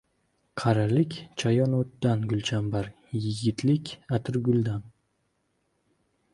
• Qarilik ― chayono‘tdan gulchambar, yigitlik ― atirguldan.